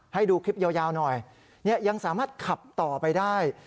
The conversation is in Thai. ให้ดูคลิปยาวหน่อยยังสามารถขับต่อไปได้